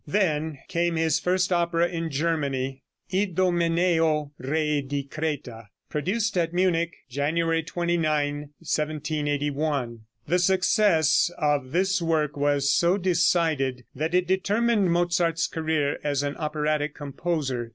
Then came his first opera in Germany, "Idomeneo, Re di Creta," produced at Munich January 29, 1781. The success of this work was so decided that it determined Mozart's career as an operatic composer.